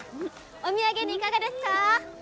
お土産にいかがですか？